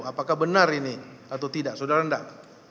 apakah benar ini atau tidak saudara enggak